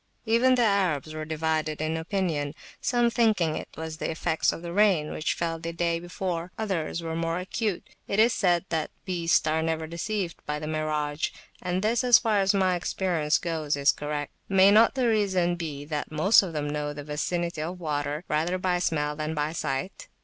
Even the Arabs were divided in opinion, some thinking it was the effects of the rain which fell the day before: others were more acute. It is said that beasts are never deceived by the mirage, and this, as far as my experience goes, is correct. May not the reason be that most of them know the vicinity of water rather by smell than by sight?